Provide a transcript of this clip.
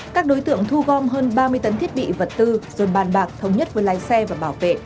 các đối tượng thu gom hơn ba mươi tấn thiết bị vật tư rồi bàn bạc thống nhất với lái xe và bảo vệ